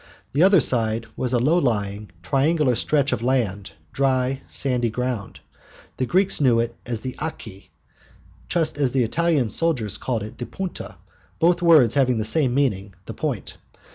The other side was a low lying, triangular stretch of land, dry, sandy ground. The Greeks knew it as the Akte, just as the Italian sailors still call it the Punta, both words having the same meaning, "the Point."